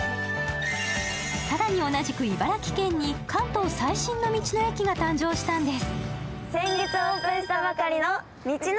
更に同じく茨城県に関東最新の道の駅が誕生したんです。